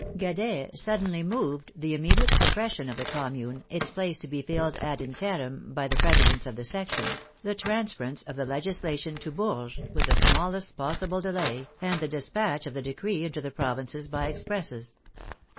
Guadet sud denly moved the immediate suppression of the Commune, its place to be filled ad interim by the presidents of the sections, the transference of the legislation to Bourges with the smallest possible delay, and the despatch of the decree into the provinces by expresses.